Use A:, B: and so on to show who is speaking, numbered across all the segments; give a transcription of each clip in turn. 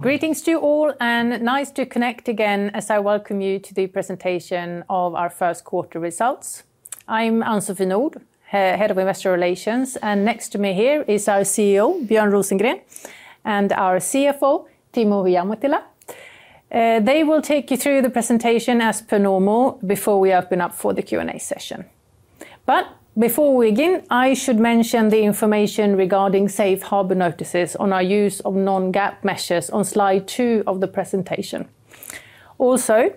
A: Greetings to you all, and nice to connect again as I welcome you to the presentation of our first quarter results. I'm Ann-Sofie Nordh, Head of Investor Relations, and next to me here is our CEO, Björn Rosengren, and our CFO, Timo Ihamuotila. They will take you through the presentation as per normal before we open up for the Q&A session. Before we begin, I should mention the information regarding safe harbor notices on our use of non-GAAP measures on Slide two of the presentation. Also,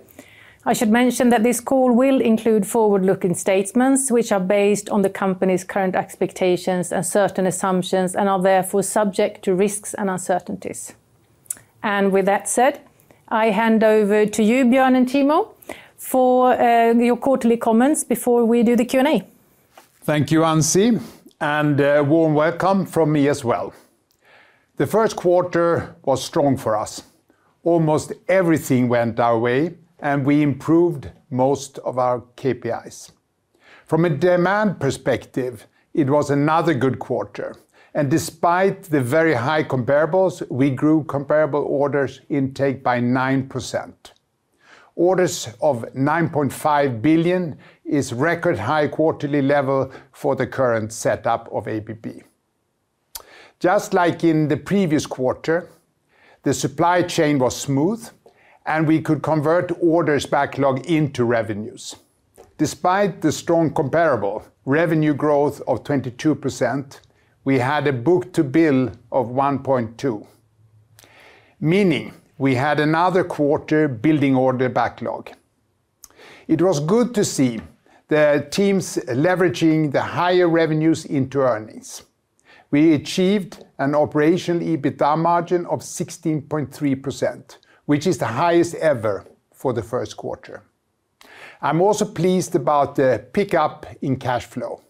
A: I should mention that this call will include forward-looking statements, which are based on the company's current expectations and certain assumptions and are therefore subject to risks and uncertainties. With that said, I hand over to you, Björn and Timo, for your quarterly comments before we do the Q&A.
B: Thank you, Ann-Sofie, and a warm welcome from me as well. The first quarter was strong for us. Almost everything went our way, and we improved most of our KPIs. From a demand perspective, it was another good quarter. Despite the very high comparables, we grew comparable orders intake by 9%. Orders of $9.5 billion is record high quarterly level for the current setup of ABB. Just like in the previous quarter, the supply chain was smooth, and we could convert orders backlog into revenues. Despite the strong comparable, revenue growth of 22%, we had a book-to-bill of 1.2, meaning we had another quarter building order backlog. It was good to see the teams leveraging the higher revenues into earnings. We achieved an operational EBITDA margin of 16.3%, which is the highest ever for the first quarter. I'm also pleased about the pickup in cash flow.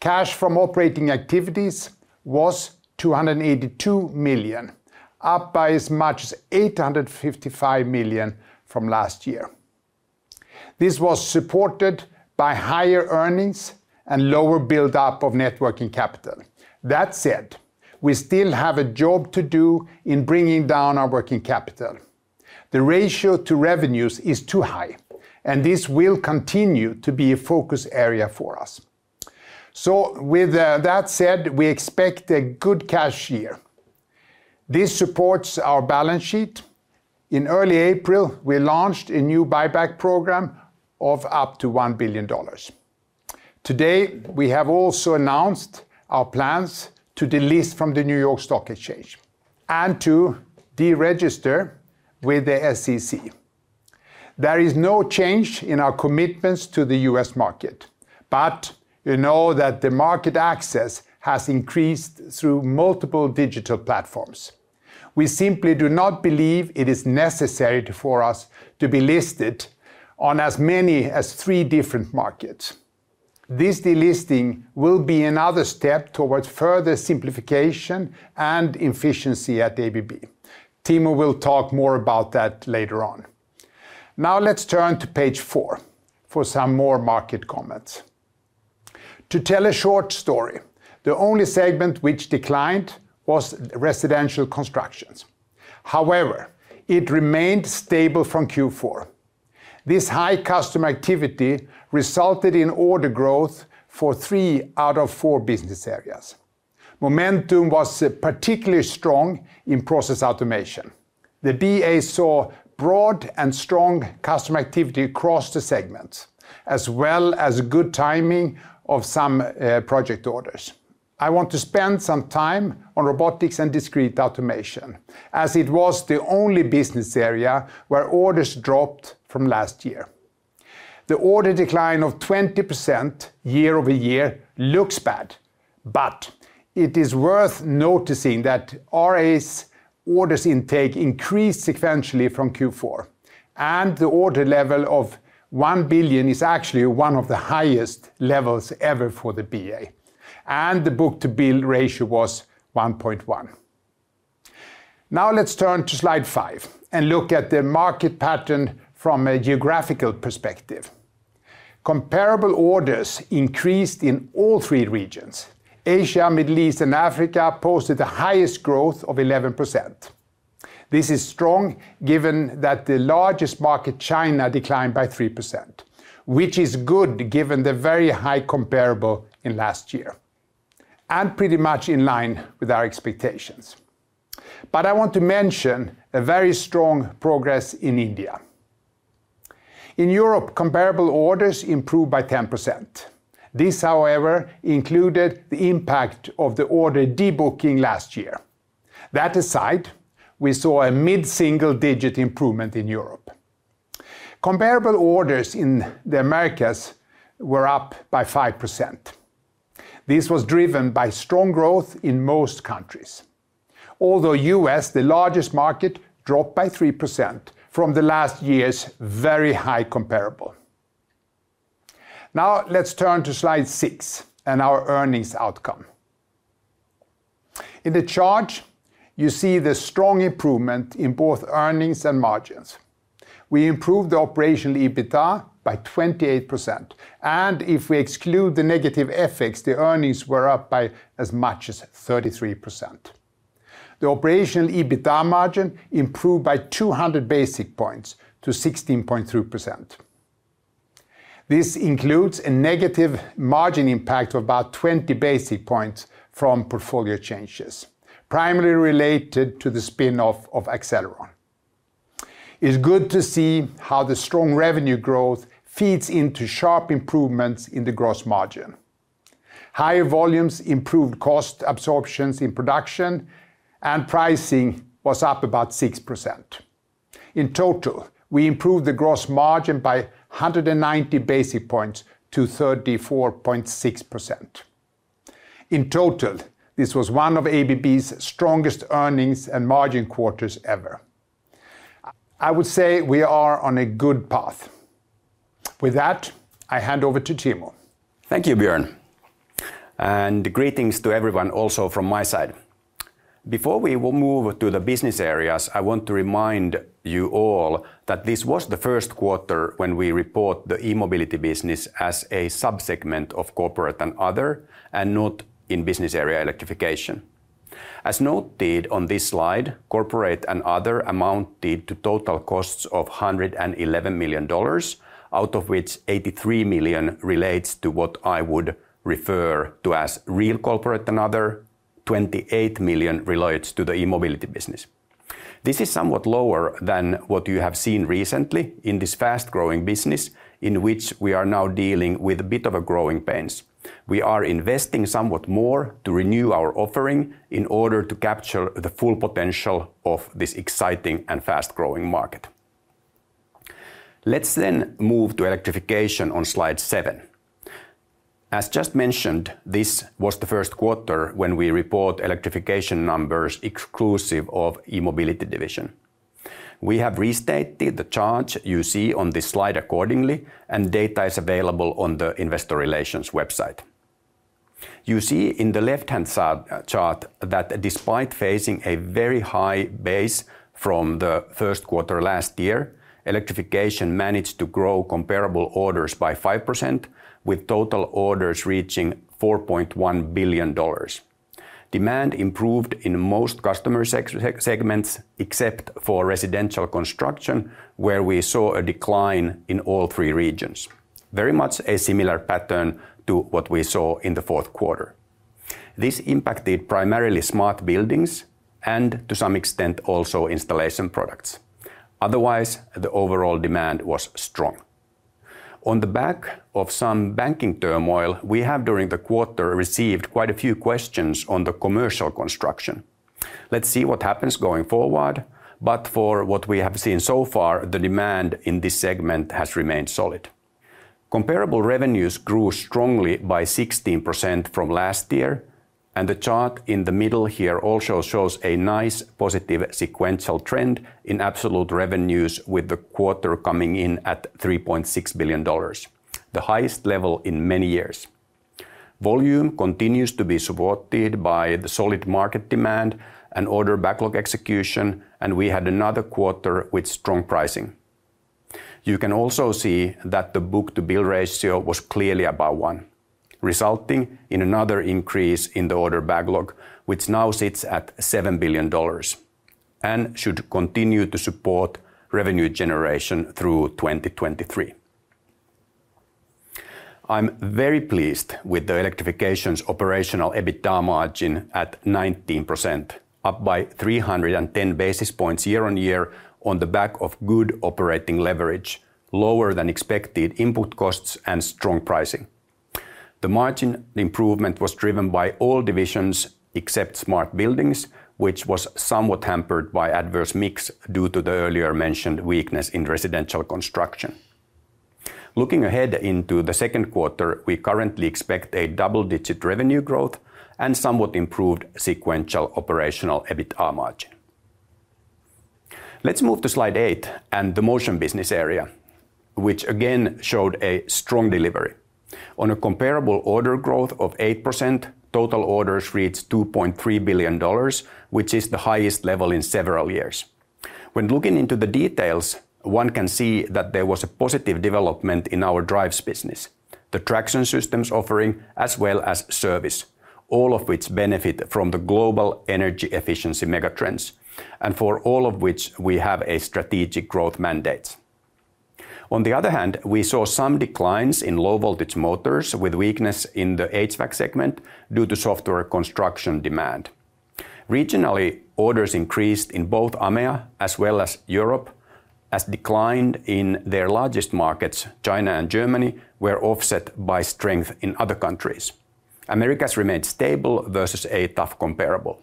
B: Cash from operating activities was $282 million, up by as much as $855 million from last year. This was supported by higher earnings and lower buildup of net working capital. That said, we still have a job to do in bringing down our working capital. The ratio to revenues is too high, and this will continue to be a focus area for us. With that said, we expect a good cash year. This supports our balance sheet. In early April, we launched a new buyback program of up to $1 billion. Today, we have also announced our plans to delist from the New York Stock Exchange and to deregister with the SEC. There is no change in our commitments to the U.S. market, you know that the market access has increased through multiple digital platforms. We simply do not believe it is necessary for us to be listed on as many as three different markets. This delisting will be another step towards further simplification and efficiency at ABB. Timo will talk more about that later on. Let's turn to page four for some more market comments. To tell a short story, the only segment which declined was residential constructions. However, it remained stable from Q4. This high customer activity resulted in order growth for three out of four business areas. Momentum was particularly strong in Process Automation. The BA saw broad and strong customer activity across the segments, as well as good timing of some project orders. I want to spend some time on Robotics & Discrete Automation as it was the only business area where orders dropped from last year. The order decline of 20% year-over-year looks bad, but it is worth noticing that RA's orders intake increased sequentially from Q4, and the order level of $1 billion is actually one of the highest levels ever for the BA, and the book-to-bill ratio was 1.1. Now let's turn to Slide five and look at the market pattern from a geographical perspective. Comparable orders increased in all three regions. Asia, Middle East, and Africa posted the highest growth of 11%. This is strong given that the largest market, China, declined by 3%, which is good given the very high comparable in last year and pretty much in line with our expectations. I want to mention a very strong progress in India. In Europe, comparable orders improved by 10%. This, however, included the impact of the order debooking last year. That aside, we saw a mid-single digit improvement in Europe. Comparable orders in the Americas were up by 5%. This was driven by strong growth in most countries. Although US, the largest market, dropped by 3% from the last year's very high comparable. Now let's turn to Slide six and our earnings outcome. In the chart, you see the strong improvement in both earnings and margins. We improved the operational EBITDA by 28%, and if we exclude the negative FX, the earnings were up by as much as 33%. The operational EBITDA margin improved by 200 basis points to 16.2%. This includes a negative margin impact of about 20 basis points from portfolio changes, primarily related to the spin-off of Accelleron. It's good to see how the strong revenue growth feeds into sharp improvements in the gross margin. Higher volumes improved cost absorptions in production, and pricing was up about 6%. In total, we improved the gross margin by 190 basis points to 34.6%. In total, this was one of ABB's strongest earnings and margin quarters ever. I would say we are on a good path. With that, I hand over to Timo.
C: Thank you, Björn. Greetings to everyone also from my side. Before we will move to the business areas, I want to remind you all that this was the first quarter when we report the E-mobility business as a sub-segment of corporate and other, and not in business area Electrification. As noted on this slide, corporate and other amounted to total costs of $111 million, out of which $83 million relates to what I would refer to as real corporate and other. $28 million relates to the E-mobility business. This is somewhat lower than what you have seen recently in this fast-growing business in which we are now dealing with a bit of a growing pains. We are investing somewhat more to renew our offering in order to capture the full potential of this exciting and fast-growing market. Let's move to Electrification on slide seven. As just mentioned, this was the first quarter when we report Electrification numbers exclusive of E-mobility division. We have restated the chart you see on this slide accordingly. Data is available on the Investor Relations website. You see in the left-hand side chart that despite facing a very high base from the first quarter last year, Electrification managed to grow comparable orders by 5%, with total orders reaching $4.1 billion. Demand improved in most customer segments except for residential construction, where we saw a decline in all three regions. Very much a similar pattern to what we saw in the fourth quarter. This impacted primarily Smart Buildings and to some extent also Installation Products. Otherwise, the overall demand was strong. On the back of some banking turmoil, we have during the quarter received quite a few questions on the commercial construction. Let's see what happens going forward. For what we have seen so far, the demand in this segment has remained solid. Comparable revenues grew strongly by 16% from last year. The chart in the middle here also shows a nice positive sequential trend in absolute revenues with the quarter coming in at $3.6 billion, the highest level in many years. Volume continues to be supported by the solid market demand and order backlog execution. We had another quarter with strong pricing. You can also see that the book-to-bill ratio was clearly above one, resulting in another increase in the order backlog, which now sits at $7 billion and should continue to support revenue generation through 2023. I'm very pleased with the Electrification's operational EBITDA margin at 19%, up by 310 basis points year-on-year on the back of good operating leverage, lower than expected input costs, and strong pricing. The margin improvement was driven by all divisions except Smart Buildings, which was somewhat hampered by adverse mix due to the earlier mentioned weakness in residential construction. Looking ahead into the second quarter, we currently expect a double-digit revenue growth and somewhat improved sequential operational EBITDA margin. Let's move to slide eight and the Motion business area, which again showed a strong delivery. On a comparable order growth of 8%, total orders reached $2.3 billion, which is the highest level in several years. When looking into the details, one can see that there was a positive development in our drives business, the traction systems offering, as well as service, all of which benefit from the global energy efficiency mega-trends, and for all of which we have a strategic growth mandate. On the other hand, we saw some declines in low voltage motors with weakness in the HVAC segment due to softer construction demand. Regionally, orders increased in both AMEA as well as Europe, as declined in their largest markets, China and Germany, were offset by strength in other countries. Americas remained stable versus a tough comparable.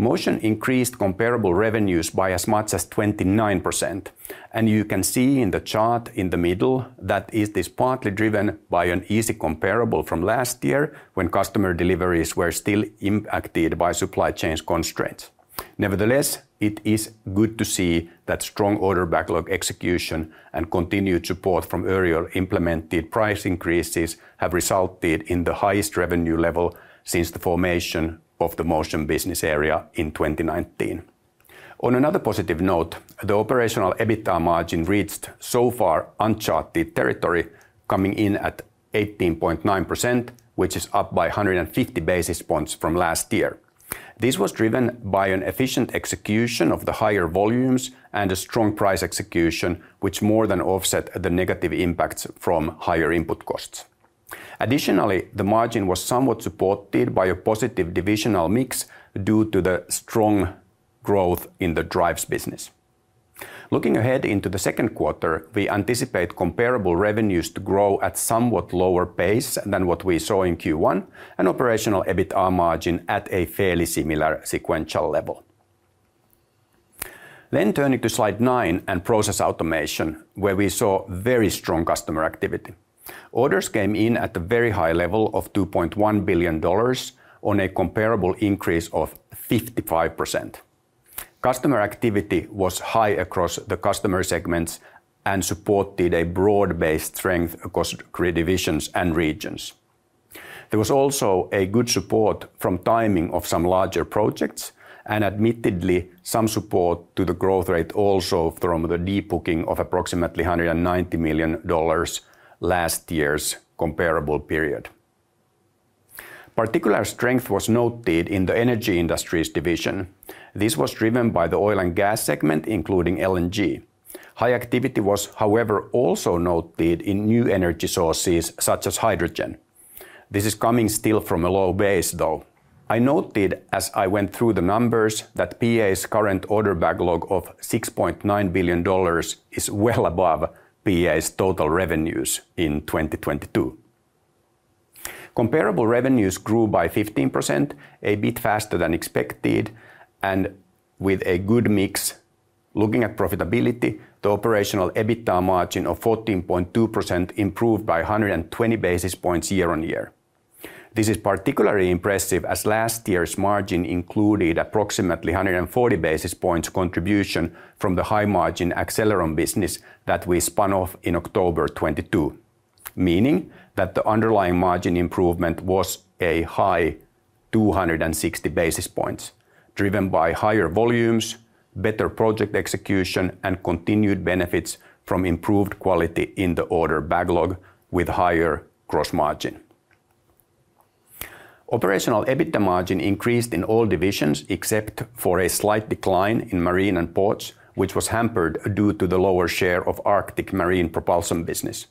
C: Motion increased comparable revenues by as much as 29%, and you can see in the chart in the middle that it is partly driven by an easy comparable from last year when customer deliveries were still impacted by supply chains constraints. Nevertheless, it is good to see that strong order backlog execution and continued support from earlier implemented price increases have resulted in the highest revenue level since the formation of the Motion business area in 2019. On another positive note, the Operational EBITA margin reached so far uncharted territory coming in at 18.9%, which is up by 150 basis points from last year. This was driven by an efficient execution of the higher volumes and a strong price execution, which more than offset the negative impacts from higher input costs. Additionally, the margin was somewhat supported by a positive divisional mix due to the strong growth in the drives business. Looking ahead into the second quarter, we anticipate comparable revenues to grow at somewhat lower pace than what we saw in Q1, and Operational EBITA margin at a fairly similar sequential level. Turning to slide nine and Process Automation, where we saw very strong customer activity. Orders came in at a very high level of $2.1 billion on a comparable increase of 55%. Customer activity was high across the customer segments and supported a broad-based strength across divisions and regions. There was also a good support from timing of some larger projects, and admittedly some support to the growth rate also from the de-booking of approximately $190 million last year's comparable period. Particular strength was noted in the Energy Industries division. This was driven by the oil and gas segment, including LNG. High activity was, however, also noted in new energy sources such as hydrogen. This is coming still from a low base, though. I noted as I went through the numbers that PA's current order backlog of $6.9 billion is well above PA's total revenues in 2022. Comparable revenues grew by 15%, a bit faster than expected, and with a good mix. Looking at profitability, the operational EBITDA margin of 14.2% improved by 120 basis points year-on-year. This is particularly impressive as last year's margin included approximately 140 basis points contribution from the high-margin Accelleron business that we spun off in October 2022. Meaning that the underlying margin improvement was a high 260 basis points, driven by higher volumes, better project execution, and continued benefits from improved quality in the order backlog with higher gross margin. Operational EBITA margin increased in all divisions, except for a slight decline in Marine & Ports, which was hampered due to the lower share of Arctic marine propulsion business.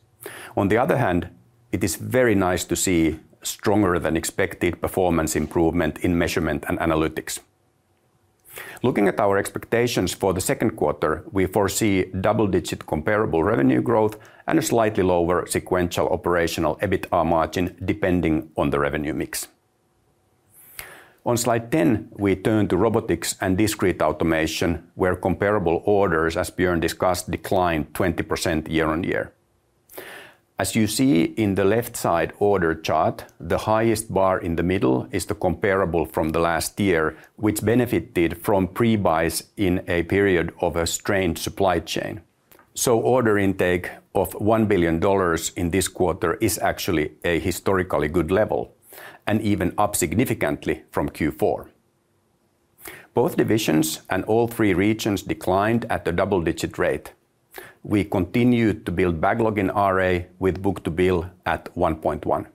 C: It is very nice to see stronger than expected performance improvement in Measurement & Analytics. Looking at our expectations for the second quarter, we foresee double-digit comparable revenue growth and a slightly lower sequential Operational EBITA margin, depending on the revenue mix. On slide 10, we turn to Robotics & Discrete Automation, where comparable orders, as Björn discussed, declined 20% year-over-year. As you see in the left side order chart, the highest bar in the middle is the comparable from the last year, which benefited from pre-buys in a period of a strained supply chain. So order intake of $1 billion in this quarter is actually a historically good level, and even up significantly from Q4. Both divisions and all three regions declined at a double-digit rate. We continued to build backlog in RA with book-to-bill at 1.1.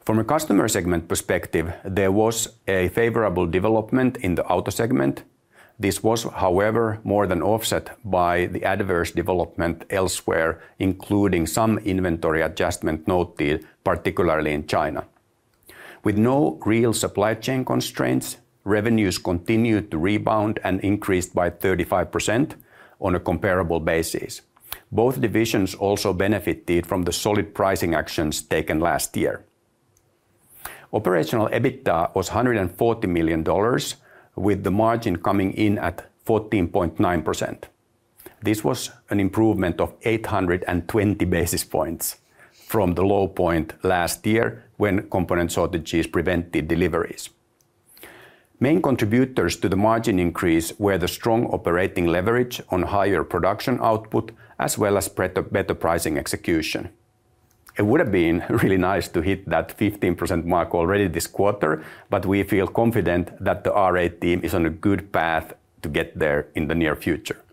C: From a customer segment perspective, there was a favorable development in the auto segment. This was, however, more than offset by the adverse development elsewhere, including some inventory adjustment noted, particularly in China. With no real supply chain constraints, revenues continued to rebound and increased by 35% on a comparable basis. Both divisions also benefited from the solid pricing actions taken last year. Operational EBITDA was $140 million, with the margin coming in at 14.9%. This was an improvement of 820 basis points from the low point last year when component shortages prevented deliveries. Main contributors to the margin increase were the strong operating leverage on higher production output, as well as better pricing execution. It would have been really nice to hit that 15% mark already this quarter, We feel confident that the RA team is on a good path to get there in the near future.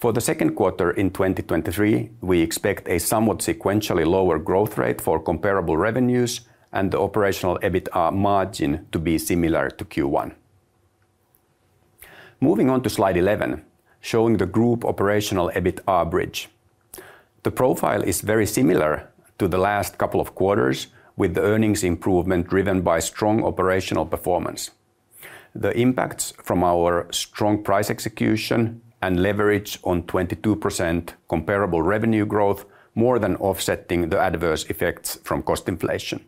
C: For the second quarter in 2023, we expect a somewhat sequentially lower growth rate for comparable revenues and the operational EBITDA margin to be similar to Q1. Moving on to slide 11, showing the group operational EBITDA bridge. The profile is very similar to the last couple of quarters, with the earnings improvement driven by strong operational performance. The impacts from our strong price execution and leverage on 22% comparable revenue growth more than offsetting the adverse effects from cost inflation.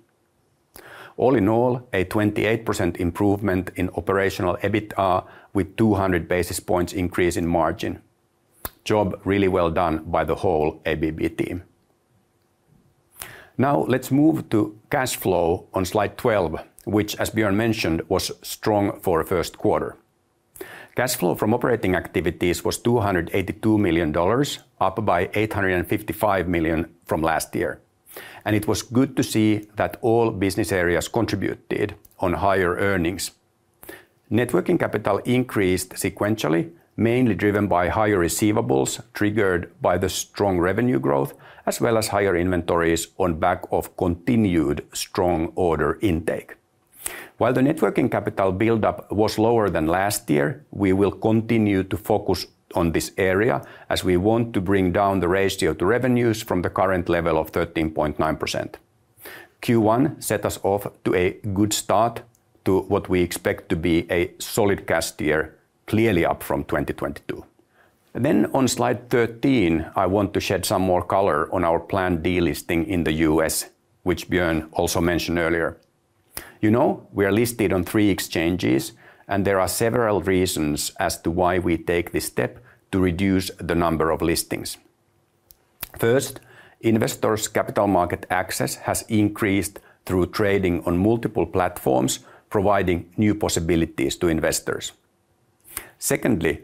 C: All in all, a 28% improvement in Operational EBITA with 200 basis points increase in margin. Job really well done by the whole ABB team. Now let's move to cash flow on slide 12, which, as Björn mentioned, was strong for first quarter. Cash flow from operating activities was $282 million, up by $855 million from last year. It was good to see that all business areas contributed on higher earnings. net working capital increased sequentially, mainly driven by higher receivables triggered by the strong revenue growth, as well as higher inventories on back of continued strong order intake. While the net working capital buildup was lower than last year, we will continue to focus on this area as we want to bring down the ratio to revenues from the current level of 13.9%. Q1 set us off to a good start to what we expect to be a solid cast year, clearly up from 2022. On slide 13, I want to shed some more color on our planned delisting in the U.S., which Björn also mentioned earlier. You know, we are listed on three exchanges, and there are several reasons as to why we take this step to reduce the number of listings. First, investors' capital market access has increased through trading on multiple platforms, providing new possibilities to investors. Secondly,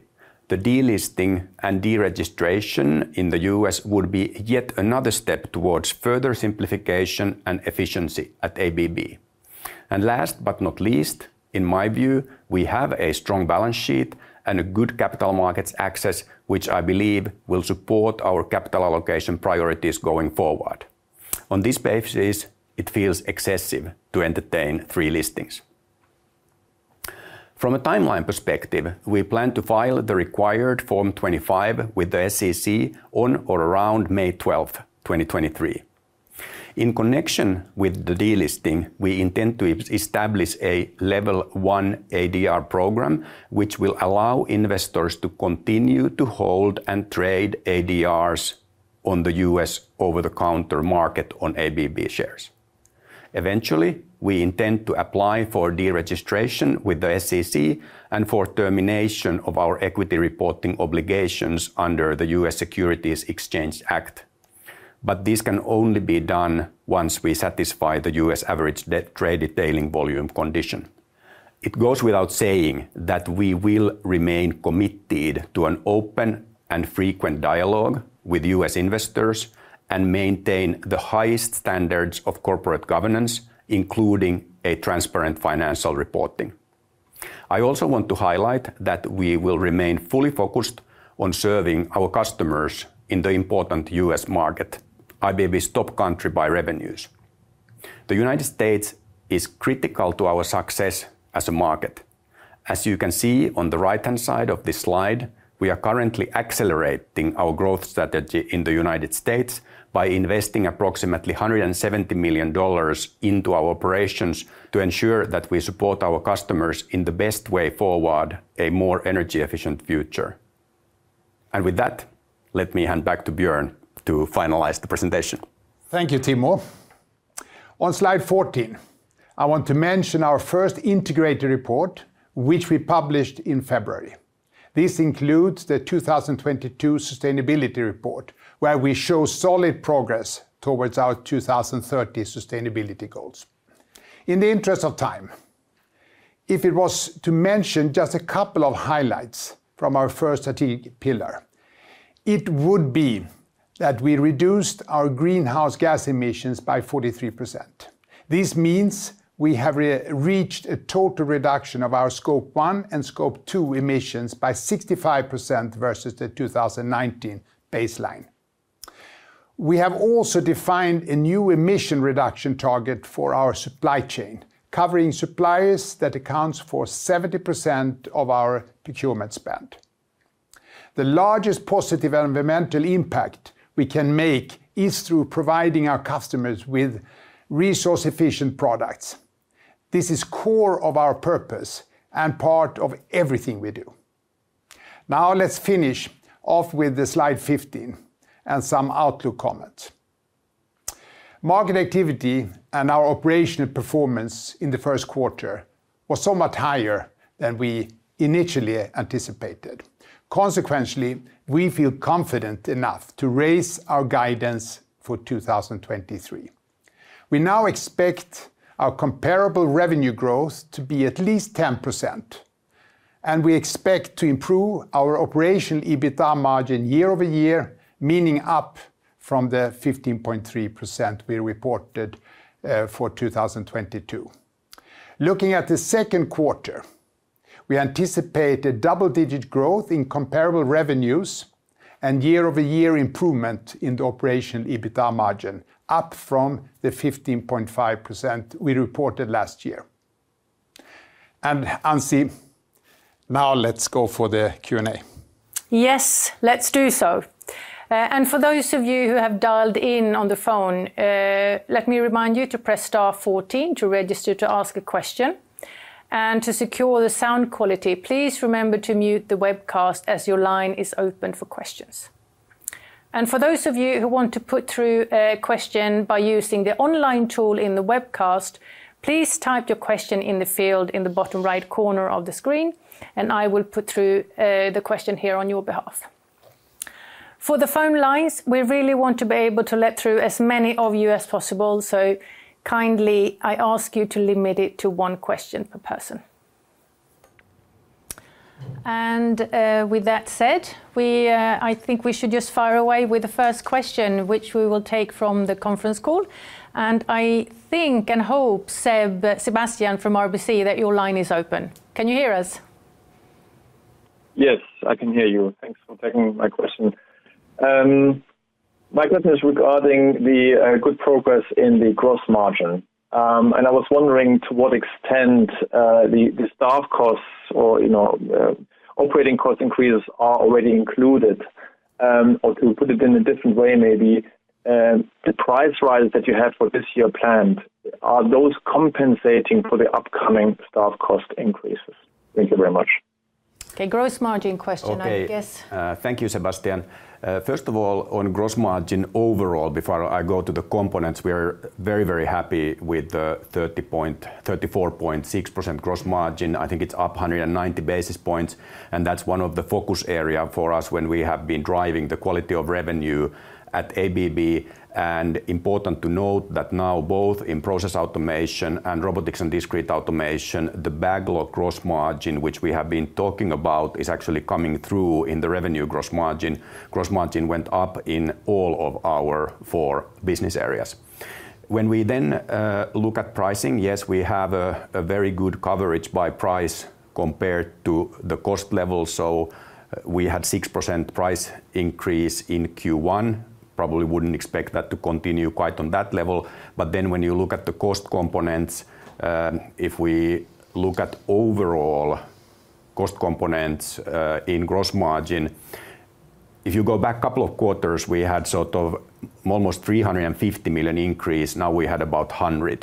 C: the delisting and deregistration in the U.S. would be yet another step towards further simplification and efficiency at ABB. Last but not least, in my view, we have a strong balance sheet and a good capital markets access, which I believe will support our capital allocation priorities going forward. On this basis, it feels excessive to entertain three listings. From a timeline perspective, we plan to file the required Form 25 with the SEC on or around May 12, 2023. In connection with the delisting, we intend to establish a level 1 ADR program, which will allow investors to continue to hold and trade ADRs on the US over-the-counter market on ABB shares. Eventually, we intend to apply for deregistration with the SEC and for termination of our equity reporting obligations under the US Securities Exchange Act. This can only be done once we satisfy the US average de-traded daily volume condition. It goes without saying that we will remain committed to an open and frequent dialogue with U.S. investors and maintain the highest standards of corporate governance, including a transparent financial reporting. I also want to highlight that we will remain fully focused on serving our customers in the important U.S. market, ABB's top country by revenues. The United States is critical to our success as a market. As you can see on the right-hand side of this slide, we are currently accelerating our growth strategy in the United States by investing approximately $170 million into our operations to ensure that we support our customers in the best way forward a more energy-efficient future. With that, let me hand back to Björn to finalize the presentation.
B: Thank you, Timo. On slide 14, I want to mention our first integrated report, which we published in February. This includes the 2022 sustainability report, where we show solid progress towards our 2030 sustainability goals. In the interest of time, if it was to mention just a couple of highlights from our first strategic pillar, it would be that we reduced our greenhouse gas emissions by 43%. This means we have re-reached a total reduction of our Scope one and Scope two emissions by 65% versus the 2019 baseline. We have also defined a new emission reduction target for our supply chain, covering suppliers that accounts for 70% of our procurement spend. The largest positive environmental impact we can make is through providing our customers with resource-efficient products. This is core of our purpose and part of everything we do. Let's finish off with the slide 15 and some outlook comments. Market activity and our operational performance in the first quarter was so much higher than we initially anticipated. We feel confident enough to raise our guidance for 2023. We now expect our comparable revenue growth to be at least 10%, we expect to improve our Operational EBITA margin year-over-year, meaning up from the 15.3% we reported for 2022. Looking at the second quarter, we anticipate a double-digit growth in comparable revenues and year-over-year improvement in the Operational EBITA margin, up from the 15.5% we reported last year. Ann-Sofie, now let's go for the Q&A.
A: Yes, let's do so. For those of you who have dialed in on the phone, let me remind you to press star 14 to register to ask a question. To secure the sound quality, please remember to mute the webcast as your line is open for questions. For those of you who want to put through a question by using the online tool in the webcast, please type your question in the field in the bottom right corner of the screen, and I will put through the question here on your behalf. For the phone lines, we really want to be able to let through as many of you as possible. Kindly, I ask you to limit it to one question per person. With that said, we, I think we should just fire away with the first question, which we will take from the conference call. I think and hope, Seb, Sebastian from RBC, that your line is open. Can you hear us?
D: Yes, I can hear you. Thanks for taking my question. My question is regarding the good progress in the gross margin. I was wondering to what extent the staff costs or, you know, operating cost increases are already included. Or to put it in a different way maybe, the price rise that you have for this year planned, are those compensating for the upcoming staff cost increases? Thank you very much.
A: Okay, gross margin question, I guess.
C: Okay. Thank you, Sebastian. First of all, on gross margin overall, before I go to the components, we're very, very happy with the 34.6% gross margin. I think it's up 190 basis points, and that's one of the focus area for us when we have been driving the quality of revenue at ABB. Important to note that now both in Process Automation and Robotics & Discrete Automation, the backlog gross margin, which we have been talking about, is actually coming through in the revenue gross margin. Gross margin went up in all of our four business areas. When we then look at pricing, yes, we have a very good coverage by price compared to the cost level. We had 6% price increase in Q1. Probably wouldn't expect that to continue quite on that level. When you look at the cost components, if we look at overall cost components in gross margin, if you go back couple of quarters, we had sort of almost $350 million increase. Now we had about $100 million.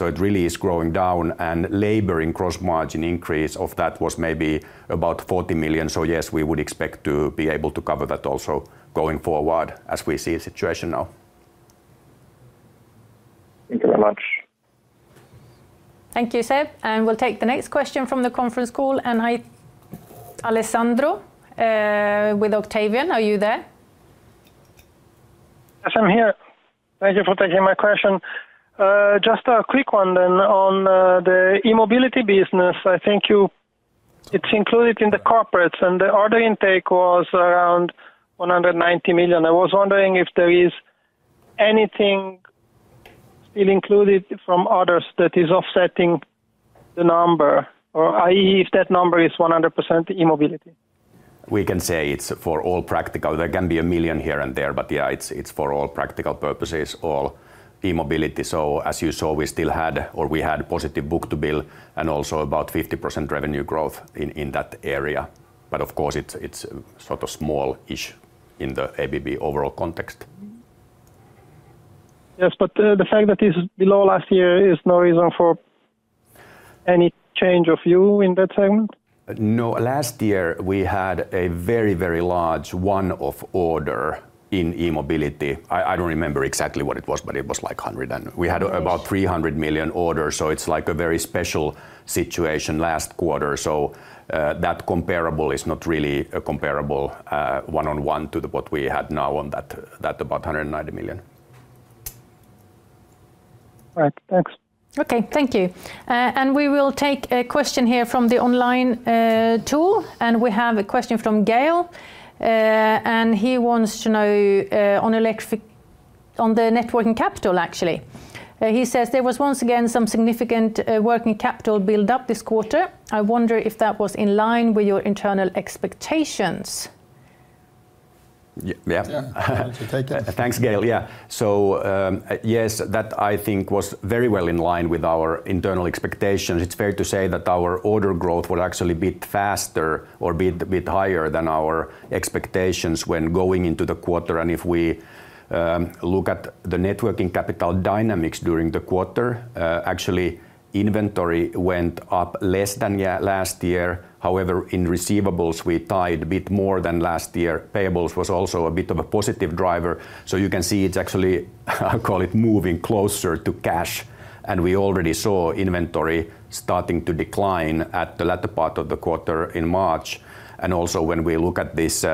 C: It really is growing down, and labor in gross margin increase of that was maybe about $40 million. Yes, we would expect to be able to cover that also going forward as we see the situation now.
D: Thank you very much.
A: Thank you, Seb. We'll take the next question from the conference call. Alessandro with Octavian, are you there?
E: Yes, I'm here. Thank you for taking my question. Just a quick one on the E-mobility business. It's included in the corporates, the order intake was around $190 million. I was wondering if there is anything still included from others that is offsetting the number, or i.e., if that number is 100% E-mobility.
C: We can say it's for all practical. There can be a million here and there, but yeah, it's for all practical purposes, all E-mobility. As you saw, we still had or we had positive book-to-bill and also about 50% revenue growth in that area. Of course it's sort of small-ish in the ABB overall context.
E: Yes, the fact that it's below last year is no reason for any change of view in that segment?
C: No. Last year we had a very, very large one-off order in E-mobility. I don't remember exactly what it was, but it was like hundred and...
A: Millions.
C: We had about $300 million orders, so it's like a very special situation last quarter. That comparable is not really a comparable one-on-one to the what we had now on that about $190 million.
E: All right, thanks.
A: Okay, thank you. We will take a question here from the online tool. We have a question from Gail, and he wants to know on the net working capital actually. He says there was once again some significant working capital build up this quarter. I wonder if that was in line with your internal expectations.
C: Yeah.
B: Yeah. Why don't you take it?
C: Thanks, Gail. Yeah. Yes, that I think was very well in line with our internal expectations. It's fair to say that our order growth was actually a bit faster or bit higher than our expectations when going into the quarter. If we look at the net working capital dynamics during the quarter, actually inventory went up less than last year. However, in receivables, we tied a bit more than last year. Payables was also a bit of a positive driver. You can see it's actually, I call it moving closer to cash. We already saw inventory starting to decline at the latter part of the quarter in March. Also when we look at this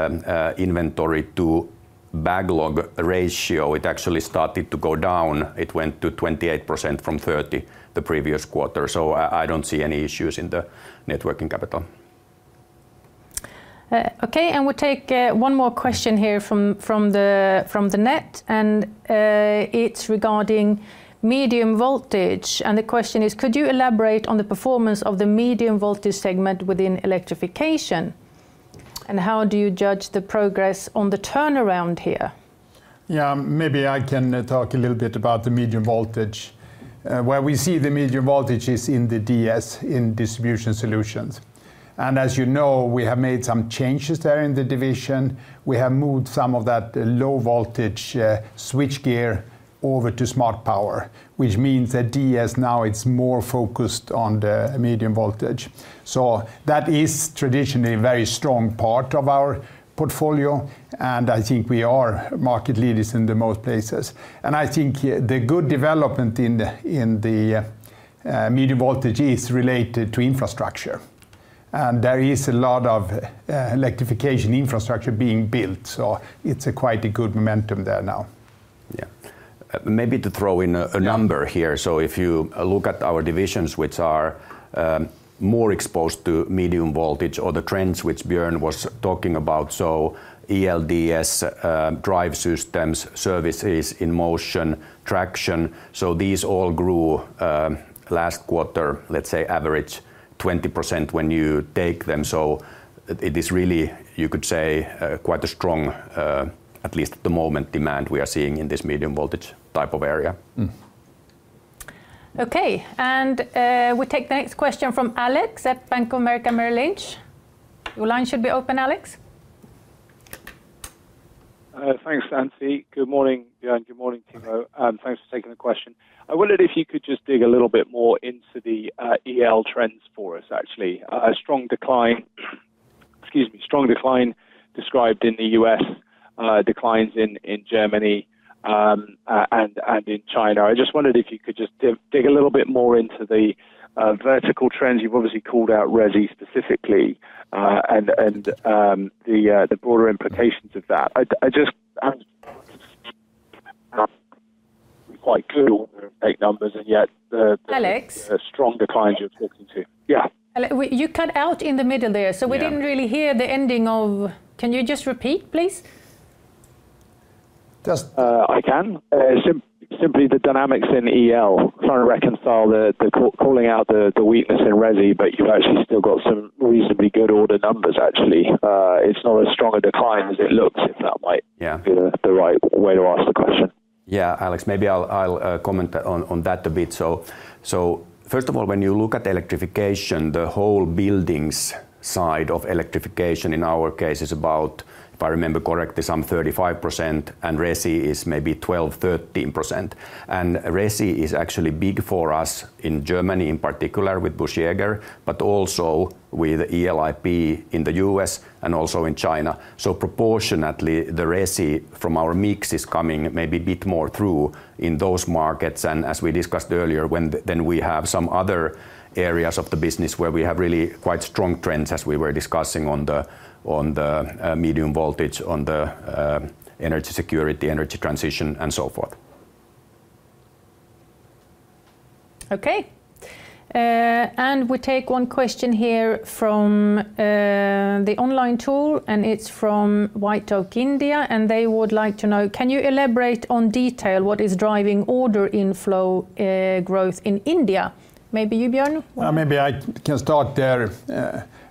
C: inventory to backlog ratio, it actually started to go down. It went to 28% from 30 the previous quarter. I don't see any issues in the net working capital.
A: Okay, we'll take one more question here from the net. It's regarding medium voltage. The question is, could you elaborate on the performance of the medium voltage segment within Electrification, and how do you judge the progress on the turnaround here?
B: Yeah, maybe I can talk a little bit about the medium voltage. Where we see the medium voltage is in the DS, in Distribution Solutions. As you know, we have made some changes there in the division. We have moved some of that low voltage, switchgear over to Smart Power, which means that DS now it's more focused on the medium voltage. That is traditionally a very strong part of our portfolio, and I think we are market leaders in the most places. I think the good development in the medium voltage is related to infrastructure. There is a lot of electrification infrastructure being built, so it's a quite a good momentum there now.
C: Maybe to throw in a number here. If you look at our divisions which are more exposed to medium voltage or the trends which Björn was talking about, ELDS, Drive Systems, Services, In Motion, Traction. These all grew last quarter, let's say average 20% when you take them. It is really, you could say quite a strong, at least at the moment, demand we are seeing in this medium voltage type of area.
B: Mm.
A: Okay. We take the next question from Alex at Bank of America Merrill Lynch. Your line should be open, Alex.
F: Thanks, Antsy. Good morning, Björn. Good morning, Timo.
C: Hello.
F: Thanks for taking the question. I wondered if you could just dig a little bit more into the EL trends for us, actually. A strong decline. Excuse me. Strong decline described in the U.S., declines in Germany, and in China. I just wondered if you could just dig a little bit more into the vertical trends. You've obviously called out resi specifically, and the broader implications of that. I just.
A: Alex?
F: A strong decline you're talking to. Yeah.
A: Alex, you cut out in the middle there.
F: Yeah.
A: We didn't really hear the ending of. Can you just repeat, please?
C: Just-
F: I can. Simply the dynamics in EL, trying to reconcile the, calling out the weakness in resi, but you've actually still got some reasonably good order numbers, actually. It's not as strong a decline as it looks, if that might.
C: Yeah
F: be the right way to ask the question.
C: Yeah, Alex, maybe I'll comment on that a bit. First of all, when you look at Electrification, the whole buildings side of Electrification in our case is about, if I remember correctly, some 35%, and resi is maybe 12%, 13%. Resi is actually big for us in Germany, in particular with Busch-Jaeger, but also with ELIP in the U.S. and also in China. Proportionately, the resi from our mix is coming maybe a bit more through in those markets. As we discussed earlier, then we have some other areas of the business where we have really quite strong trends, as we were discussing on the medium voltage, on the energy security, energy transition, and so forth.
A: Okay. We take one question here from the online tool. It's from White Oak, India. They would like to know, can you elaborate on detail what is driving order inflow growth in India? Maybe you, Björn?
B: Maybe I can start there.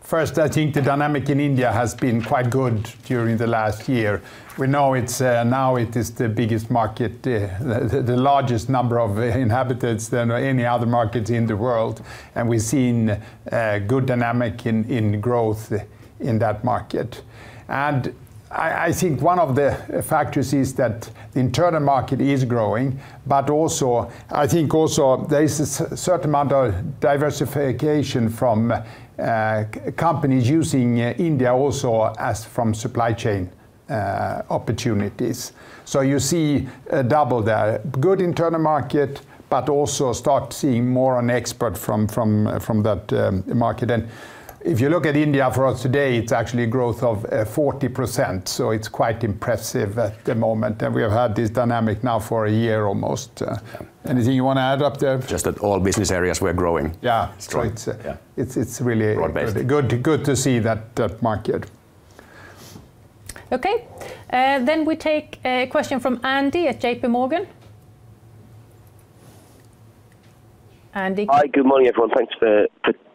B: First, I think the dynamic in India has been quite good during the last year. We know it's now it is the biggest market, the largest number of inhabitants than any other markets in the world, and we've seen a good dynamic in growth in that market. I think one of the factors is that the internal market is growing, but also I think also there is a certain amount of diversification from companies using India also as from supply chain opportunities. You see a double there. Good internal market, but also start seeing more on export from that market. If you look at India for us today, it's actually growth of 40%, so it's quite impressive at the moment. We have had this dynamic now for a year almost. Anything you want to add up there?
C: Just that all business areas we're growing.
B: Yeah.
C: Strong.
B: It's.
C: Yeah
B: it's.
C: Broad-based
B: good to see that market.
A: Okay. We take a question from Andy at J.P. Morgan. Andy?
G: Hi. Good morning, everyone. Thanks for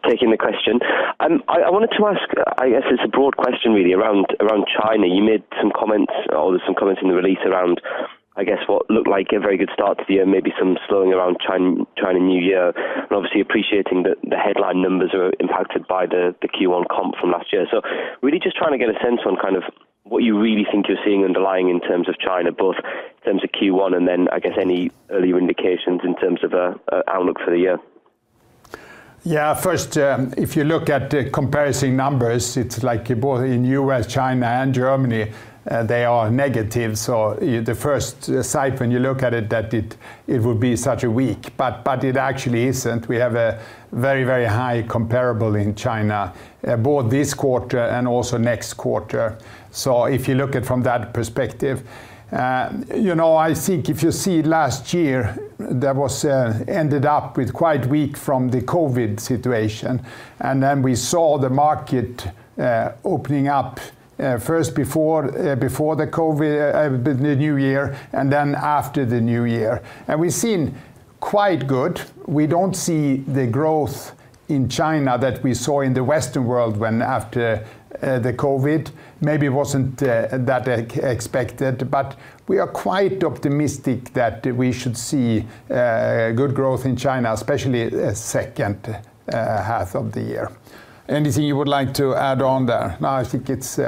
G: taking the question. I wanted to ask, I guess it's a broad question really, around China. You made some comments or there's some comments in the release around, I guess, what looked like a very good start to the year, maybe some slowing around China New Year, and obviously appreciating the headline numbers are impacted by the Q1 comp from last year. Really just trying to get a sense on kind of what you really think you're seeing underlying in terms of China, both in terms of Q1 and then, I guess, any earlier indications in terms of outlook for the year.
B: Yeah. First, if you look at the comparison numbers, it's like both in U.S., China, and Germany, they are negative. The first sight when you look at it that it would be such a weak, but it actually isn't. We have a very high comparable in China, both this quarter and also next quarter. If you look at from that perspective, you know, I think if you see last year, there was, ended up with quite weak from the COVID situation. We saw the market opening up first before the COVID, the New Year and then after the New Year. We've seen quite good. We don't see the growth in China that we saw in the Western world when after the COVID. Maybe it wasn't that expected. We are quite optimistic that we should see good growth in China, especially second half of the year. Anything you would like to add on there? I think it's.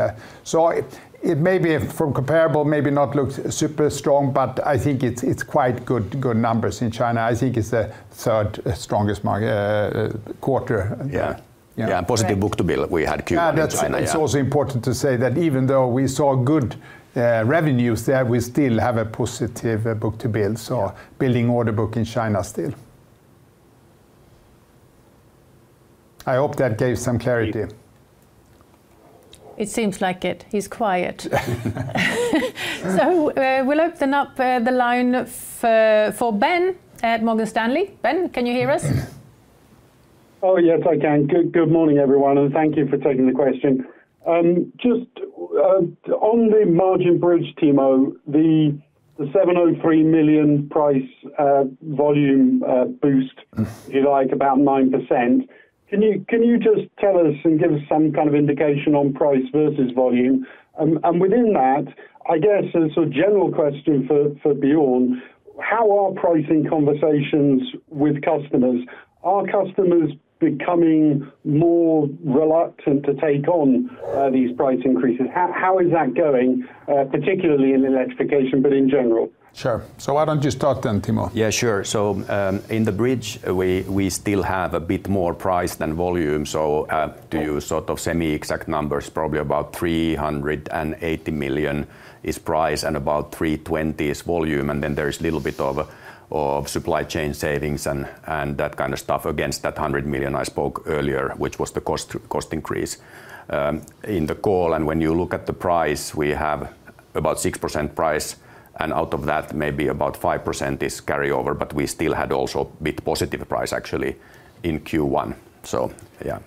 B: It may be from comparable, maybe not look super strong. I think it's quite good numbers in China. I think it's the third strongest market quarter.
C: Yeah.
B: Yeah.
C: Yeah, positive book-to-bill we had Q1 in China, yeah.
B: Yeah, that's also important to say that even though we saw good revenues there, we still have a positive book-to-bill, so building order book in China still. I hope that gave some clarity.
A: It seems like it. He's quiet. We'll open up the line for Ben at Morgan Stanley. Ben, can you hear us?
H: Oh, yes, I can. Good morning, everyone. Thank you for taking the question. Just on the margin bridge, Timo, the $703 million price, volume.
B: Mm.
H: If you like, about 9%, can you just tell us and give us some kind of indication on price versus volume? Within that, I guess as a general question for Björn, how are pricing conversations with customers? Are customers becoming more reluctant to take on these price increases? How is that going, particularly in Electrification, but in general?
B: Sure. Why don't you start then, Timo?
C: Yeah, sure. In the bridge, we still have a bit more price than volume, to use sort of semi-exact numbers, probably about $380 million is price, and about $320 million is volume, there is little bit of supply chain savings and that kind of stuff against that $100 million I spoke earlier, which was the cost increase in the call. When you look at the price, we have about 6% price, out of that, maybe about 5% is carryover, we still had also bit positive price actually in Q1. Yeah.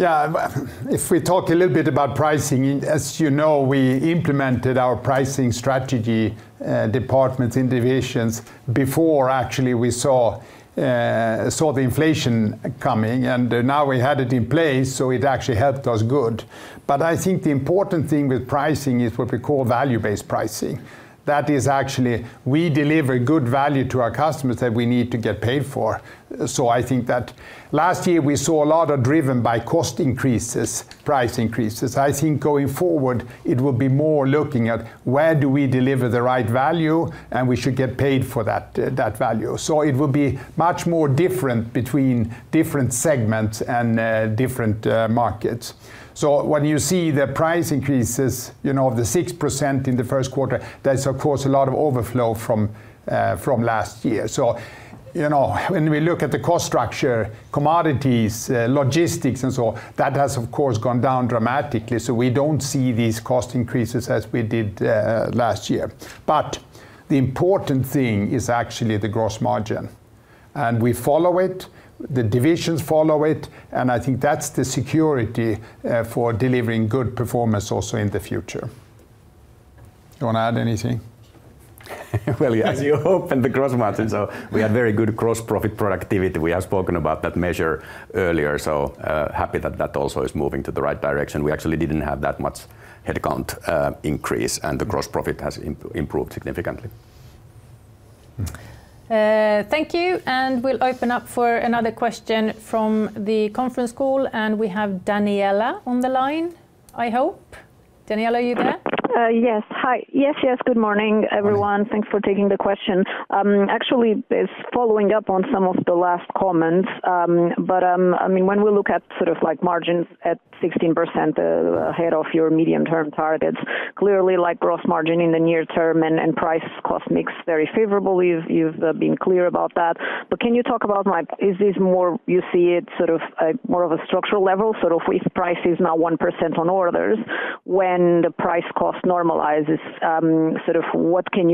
B: Yeah. If we talk a little bit about pricing, as you know, we implemented our pricing strategy, departments in divisions before actually we saw the inflation coming, and now we had it in place, so it actually helped us good. I think the important thing with pricing is what we call value-based pricing. That is actually we deliver good value to our customers that we need to get paid for. I think that last year we saw a lot of driven by cost increases, price increases. I think going forward, it will be more looking at where do we deliver the right value, and we should get paid for that value. It will be much more different between different segments and different markets. When you see the price increases, you know, of the 6% in the first quarter, there's of course a lot of overflow from last year. You know, when we look at the cost structure, commodities, logistics and so on, that has of course gone down dramatically, so we don't see these cost increases as we did last year. The important thing is actually the gross margin, and we follow it, the divisions follow it, and I think that's the security for delivering good performance also in the future. You want to add anything?
C: Well, yeah. As you opened the gross margin, so we have very good gross profit productivity. We have spoken about that measure earlier, so happy that that also is moving to the right direction. We actually didn't have that much headcount increase, and the gross profit has improved significantly.
A: Thank you. We'll open up for another question from the conference call. We have Daniella on the line, I hope. Daniella, are you there?
I: Yes. Hi. Yes, good morning, everyone.
A: Good morning.
J: Thanks for taking the question. Actually, it's following up on some of the last comments. I mean, when we look at sort of like margins at 16% ahead of your medium-term targets, clearly like gross margin in the near term and price cost mix very favorably, you've been clear about that. Can you talk about like is this more you see it sort of a more of a structural level, sort of if price is now 1% on orders, when the price cost normalizes, sort of what can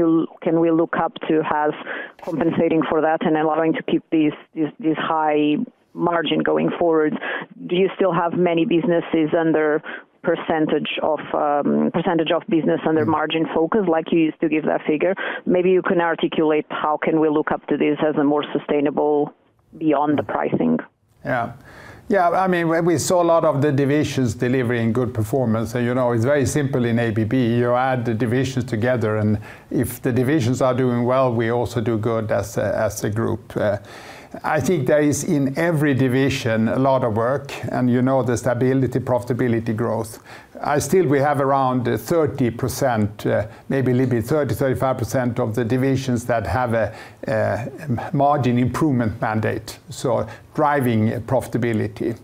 J: we look up to as compensating for that and allowing to keep these high margin going forward? Do you still have many businesses under percentage of business under margin focus, like you used to give that figure?
I: Maybe you can articulate how can we look up to this as a more sustainable beyond the pricing?
B: Yeah. Yeah, I mean, we saw a lot of the divisions delivering good performance. You know, it's very simple in ABB. You add the divisions together, if the divisions are doing well, we also do good as a group. I think there is, in every division, a lot of work and, you know, the stability, profitability growth. Still we have around 30%, maybe a little bit 30%-30% of the divisions that have a margin improvement mandate, so driving profitability.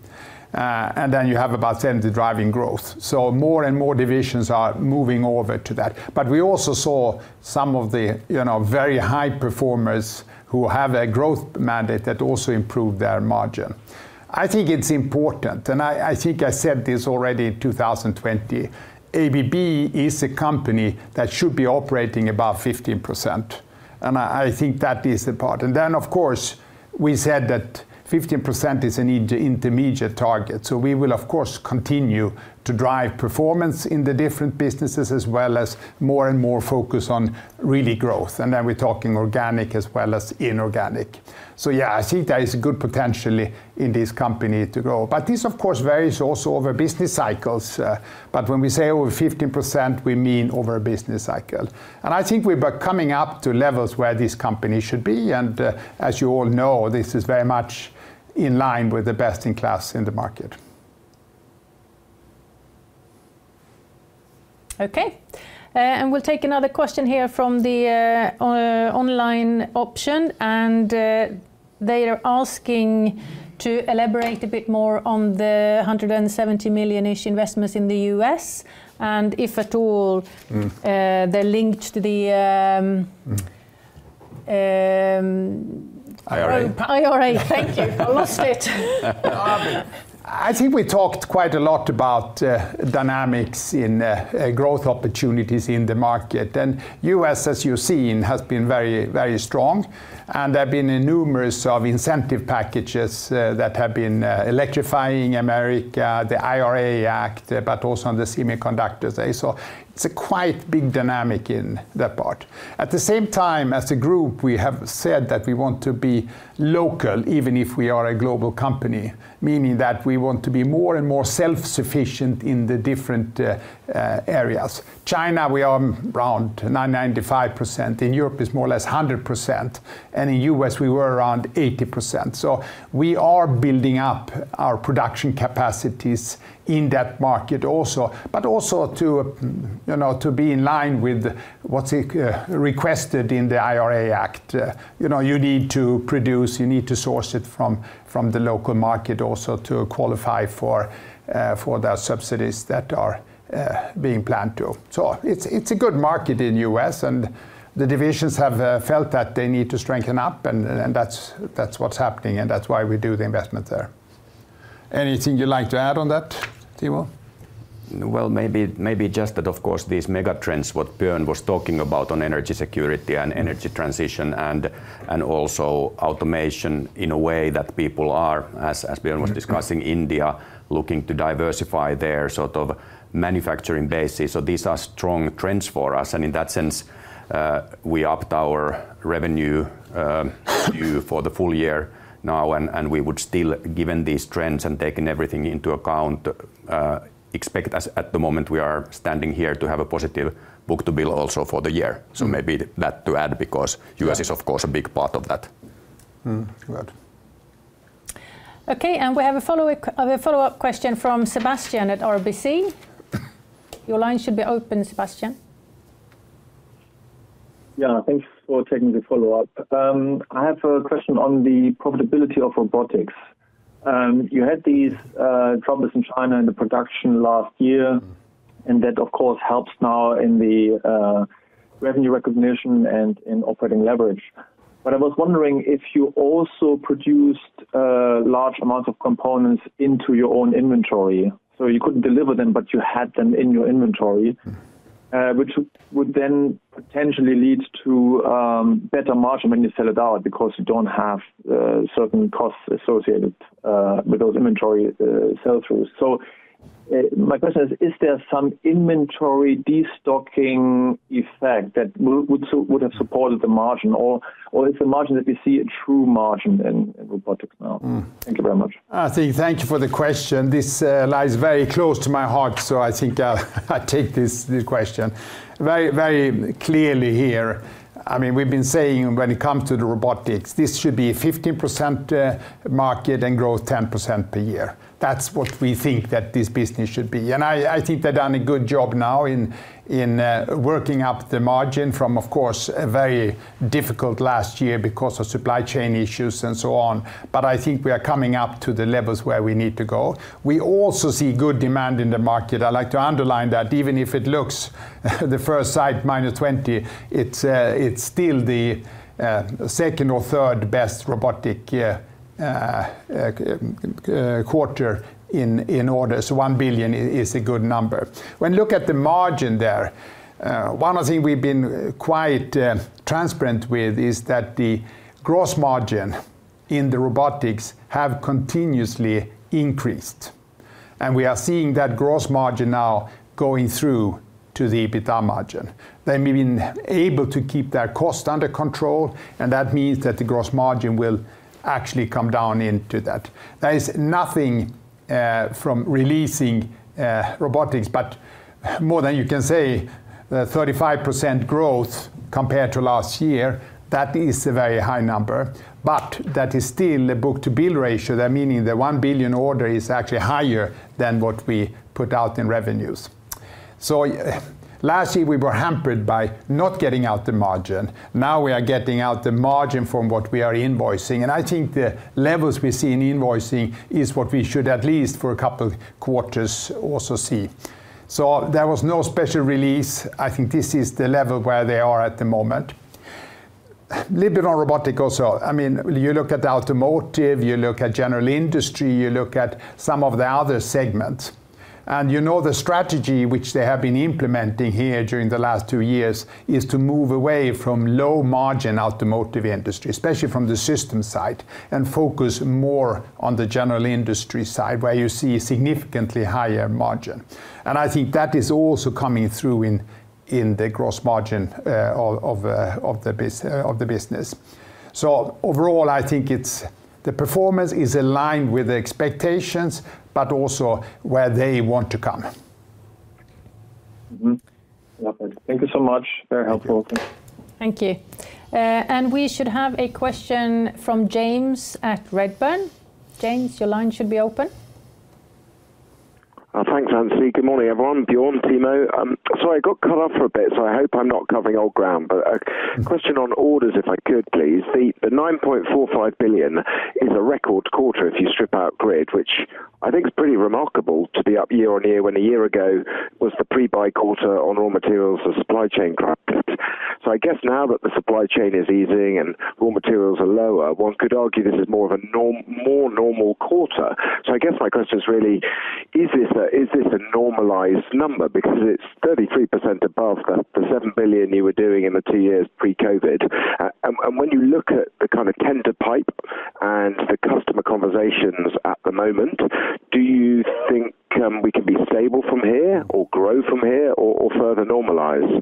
B: Then you have about 10 driving growth. More and more divisions are moving over to that. We also saw some of the, you know, very high performers who have a growth mandate that also improved their margin. I think it's important, I think I said this already in 2020, ABB is a company that should be operating above 15%, and I think that is the part. Of course, we said that 15% is an intermediate target. We will of course continue to drive performance in the different businesses as well as more and more focus on really growth, and then we're talking organic as well as inorganic. Yeah, I think there is a good potentially in this company to grow. This of course varies also over business cycles, when we say over 15%, we mean over a business cycle. I think we're coming up to levels where this company should be, and, as you all know, this is very much in line with the best in class in the market.
A: Okay. We'll take another question here from the online option. They are asking to elaborate a bit more on the $170 million-ish investments in the U.S. and if at all-
B: Mm.
A: They're linked to the.
K: IRA
A: IRA. Thank you. I lost it.
C: Abi?
B: I think we talked quite a lot about dynamics in growth opportunities in the market. U.S., as you've seen, has been very, very strong, and there have been numerous of incentive packages that have been electrifying America, the IRA Act, but also on the semiconductors, so it's a quite big dynamic in that part. At the same time, as a group, we have said that we want to be local, even if we are a global company, meaning that we want to be more and more self-sufficient in the different areas. China, we are around 95%. In Europe, it's more or less 100%, and in U.S., we were around 80%. We are building up our production capacities in that market also. Also to, you know, to be in line with what's requested in the IRA Act, you know, you need to produce, you need to source it from the local market also to qualify for the subsidies that are being planned too. It's a good market in U.S., and the divisions have felt that they need to strengthen up, and that's what's happening, and that's why we do the investment there.
I: Anything you'd like to add on that, Timo?
C: Well, maybe, just that of course, these mega trends, what Björn was talking about on energy security and energy transition and also automation in a way that people are, as Björn was discussing, India looking to diversify their sort of manufacturing bases. These are strong trends for us, and in that sense, we upped our revenue view for the full year now, and we would still, given these trends and taking everything into account, expect as at the moment we are standing here to have a positive book-to-bill also for the year. Maybe that to add because U.S. is, of course, a big part of that.
B: Good.
A: Okay, we have a follow-up question from Sebastian at RBC. Your line should be open, Sebastian.
D: Yeah. Thanks for taking the follow-up. I have a question on the profitability of Robotics. You had these troubles in China in the production last year, and that, of course, helps now in the revenue recognition and in operating leverage. I was wondering if you also produced large amounts of components into your own inventory, so you couldn't deliver them, but you had them in your inventory, which would then potentially lead to better margin when you sell it out because you don't have certain costs associated with those inventory sell-throughs. My question is there some inventory de-stocking effect that would have supported the margin, or is the margin that we see a true margin in Robotics now?
K: Mm.
D: Thank you very much.
B: I think thank you for the question. This lies very close to my heart, so I'll take this question. Very clearly here, I mean, we've been saying when it comes to the robotics, this should be a 15% market and growth 10% per year. That's what we think that this business should be. I think they've done a good job now in working up the margin from, of course, a very difficult last year because of supply chain issues and so on, but I think we are coming up to the levels where we need to go. We also see good demand in the market. I like to underline that even if it looks the first sight -20, it's still the second or third best robotic year quarter in order, so $1 billion is a good number. When look at the margin there, one of the thing we've been quite transparent with is that the gross margin in the robotics have continuously increased. We are seeing that gross margin now going through to the EBITDA margin. They've been able to keep their cost under control. That means that the gross margin will actually come down into that. There is nothing from releasing robotics, more than you can say, the 35% growth compared to last year, that is a very high number. But that is still a book-to-bill ratio, that meaning the $1 billion order is actually higher than what we put out in revenues. Last year we were hampered by not getting out the margin. Now, we are getting out the margin from what we are invoicing, and I think the levels we see in invoicing is what we should at least for a couple quarters also see. There was no special release. I think this is the level where they are at the moment. Little bit on robotic also. I mean, you look at the automotive, you look at general industry, you look at some of the other segments. You know the strategy which they have been implementing here during the last two years is to move away from low-margin automotive industry, especially from the systems side, and focus more on the general industry side, where you see a significantly higher margin. I think that is also coming through in the gross margin of the business. Overall, I think it's the performance is aligned with the expectations but also where they want to come.
D: Okay. Thank you so much. Very helpful. Thank you.
A: Thank you. We should have a question from James at Redburn. James, your line should be open.
L: Thanks, Ann. Good morning, everyone, Björn, Timo. Sorry, I got cut off for a bit, so I hope I'm not covering old ground. A question on orders, if I could. Is the $9.45 billion a record quarter if you strip out grid, which I think is pretty remarkable to be up year-over-year when a year ago was the pre-buy quarter on raw materials, the supply chain collapsed. I guess now that the supply chain is easing and raw materials are lower, one could argue this is more of a normal quarter. I guess my question is really, is this a normalized number? Because it's 33% above the $7 billion you were doing in the two years pre-COVID. When you look at the kind of tender pipe and the customer conversations at the moment, do you think, we can be stable from here or grow from here or further normalize?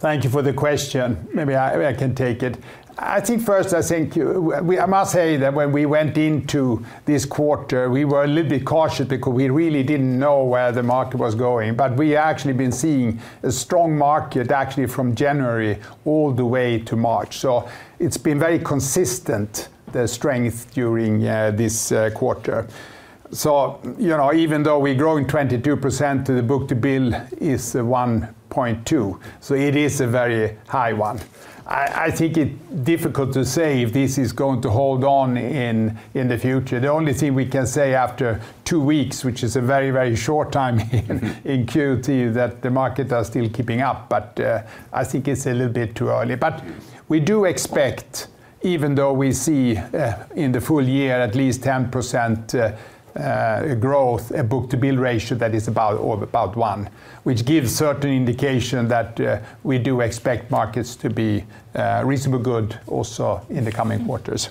B: Thank you for the question. Maybe I can take it. I think first, I must say that when we went into this quarter, we were a little bit cautious because we really didn't know where the market was going. We actually been seeing a strong market actually from January all the way to March. It's been very consistent, the strength during this quarter. You know, even though we're growing 22%, the book-to-bill is 1.2, so it is a very high one. I think it difficult to say if this is going to hold on in the future. The only thing we can say after two weeks, which is a very, very short time in Q2, that the market are still keeping up. I think it's a little bit too early. We do expect, even though we see in the full year, at least 10% growth, a book-to-bill ratio that is about one, which gives certain indication that we do expect markets to be reasonably good also in the coming quarters.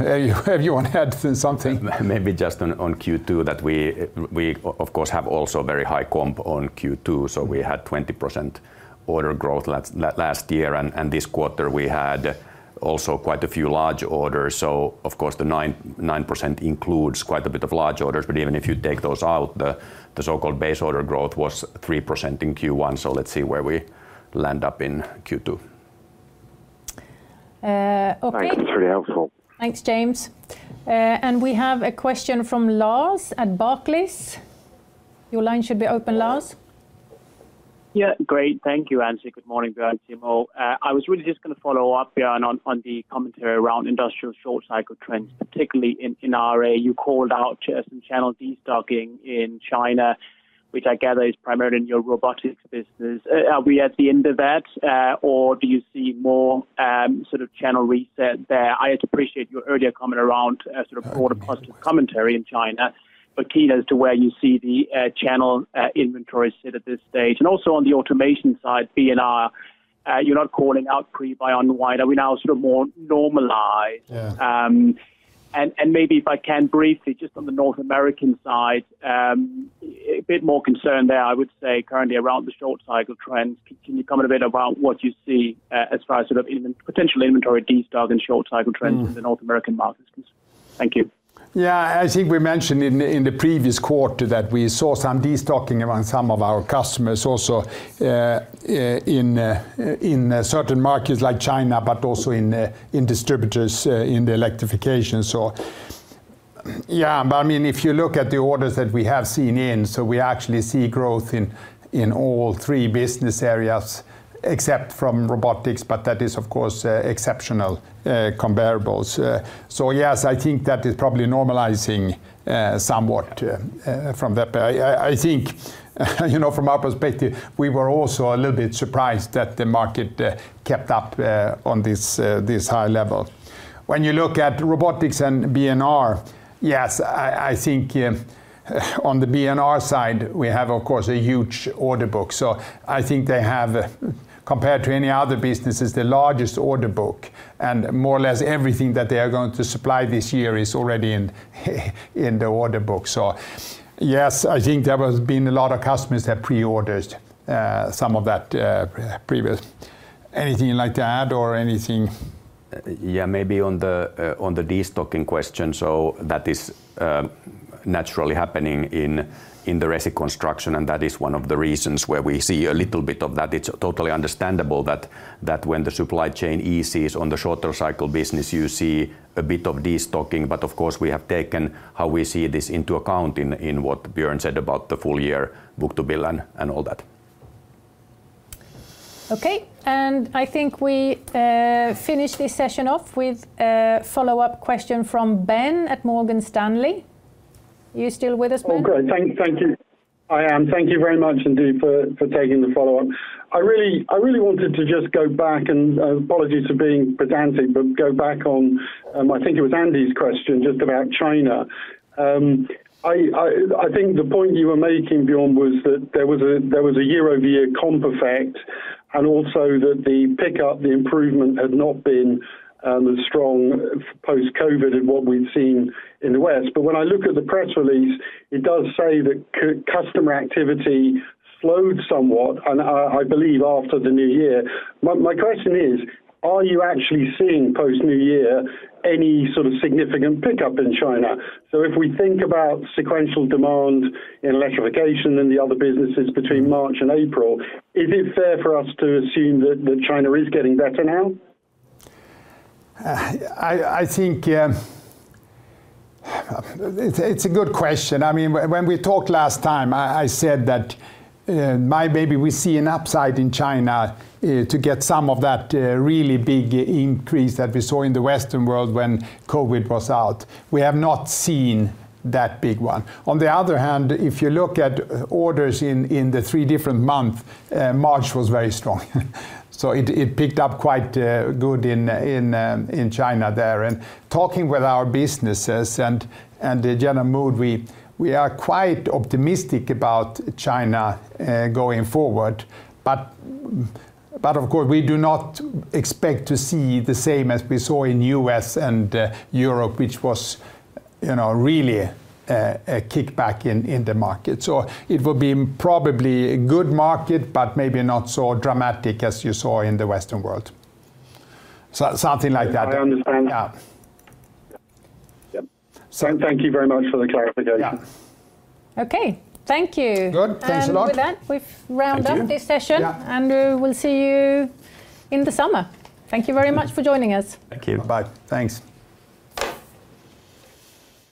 B: You, have you want to add something?
C: Maybe just on Q2 that we, of course have also very high comp on Q2. We had 20% order growth last year. This quarter we had also quite a few large orders. Of course, the 9% includes quite a bit of large orders. Even if you take those out, the so-called base order growth was 3% in Q1. Let's see where we land up in Q2.
A: okay.
L: Thanks. It's really helpful.
A: Thanks, James. We have a question from Lars at Barclays. Your line should be open, Lars.
K: Yeah, great. Thank you, Ann. Good morning, Björn, Timo. I was really just gonna follow up here on the commentary around industrial short cycle trends, particularly in RA. You called out some channel destocking in China, which I gather is primarily in your robotics business. Are we at the end of that, or do you see more, sort of channel reset there? I appreciate your earlier comment around sort of broader positive commentary in China, but keen as to where you see the channel inventory sit at this stage. Also on the automation side, B&R, you're not calling out pre-buy unwind. Are we now sort of more normalized?
B: Yeah.
K: Maybe if I can briefly just on the North American side, a bit more concerned there, I would say currently around the short cycle trends. Can you comment a bit about what you see as far as sort of even potential inventory destock and short cycle trends in the North American markets? Thank you.
B: I think we mentioned in the previous quarter that we saw some destocking among some of our customers also in certain markets like China, but also in distributors in the Electrification. I mean, if you look at the orders that we have seen, we actually see growth in all three business areas except from Robotics, but that is of course exceptional comparable. Yes, I think that is probably normalizing somewhat from that. I think, you know, from our perspective, we were also a little bit surprised that the market kept up on this high level. When you look at Robotics and B&R, yes, I think, on the B&R side, we have of course a huge order book. I think they have, compared to any other businesses, the largest order book, and more or less everything that they are going to supply this year is already in the order book. Yes, I think there has been a lot of customers that pre-ordered, some of that, previous. Anything you'd like to add or anything?
C: Yeah, maybe on the destocking question. That is naturally happening in the resi construction, and that is one of the reasons where we see a little bit of that. It's totally understandable that when the supply chain eases on the shorter cycle business, you see a bit of destocking. Of course, we have taken how we see this into account in what Björn said about the full year book-to-bill and all that.
A: Okay. I think we finish this session off with a follow-up question from Ben at Morgan Stanley. You still with us, Ben?
H: Oh, great. Thank you. I am. Thank you very much indeed for taking the follow-up. I really wanted to just go back, and apologies for being pedantic, but go back on, I think it was Andy's question just about China. I think the point you were making, Björn, was that there was a year-over-year comp effect, and also that the pickup, the improvement had not been as strong post-COVID in what we've seen in the West. When I look at the press release, it does say that customer activity slowed somewhat, and I believe after the new year. My question is, are you actually seeing post new year any sort of significant pickup in China? If we think about sequential demand in Electrification and the other businesses between March and April, is it fair for us to assume that China is getting better now?
B: I think it's a good question. I mean, when we talked last time, I said that maybe we see an upside in China to get some of that really big increase that we saw in the Western world when COVID was out. We have not seen that big one. On the other hand, if you look at orders in the three different month, March was very strong. It picked up quite good in China there. Talking with our businesses and the general mood, we are quite optimistic about China going forward. Of course, we do not expect to see the same as we saw in U.S. and Europe, which was, you know, really a kickback in the market. It will be probably a good market, but maybe not so dramatic as you saw in the Western world. Something like that.
H: I understand that.
B: Yeah.
H: Yep. Thank you very much for the clarification.
B: Yeah.
A: Okay, thank you.
B: Good. Thanks a lot.
A: With that, we've round up this session.
B: Thank you.
A: We will see you in the summer. Thank you very much for joining us.
C: Thank you.
B: Bye-bye. Thanks.